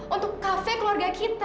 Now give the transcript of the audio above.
untuk cafe keluarga kita